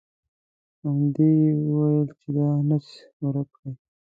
همدې یې ویل چې دا نجس ورک کړئ.